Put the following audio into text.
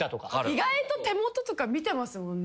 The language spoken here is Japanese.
意外と手元とか見てますもんね。